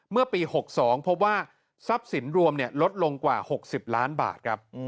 เมื่อปี๖๒พบว่าทรัพย์สินรวมลดลงกว่า๖๐ล้านบาทครับ